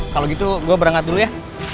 kalau gitu gue berangkat dulu ya